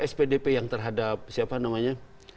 spdp yang terhadap siapa namanya